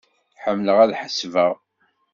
Ḥemmleɣ ad ḥesbeɣ.